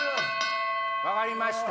分かりました。